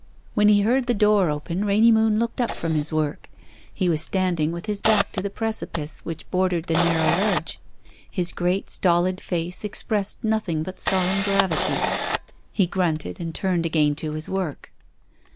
When he heard the door open Rainy Moon looked up from his work. He was standing with his back to the precipice which bordered the narrow ledge. His great stolid face expressed nothing but solemn gravity. He grunted and turned again to his work.